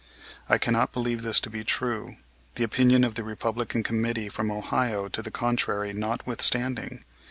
I cannot believe this to be true, the opinion of the Republican committee from Ohio to the contrary notwithstanding.